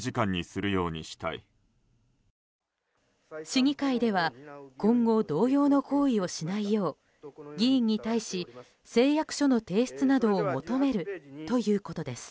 市議会では今後同様の行為をしないよう議員に対し誓約書の提出などを求めるということです。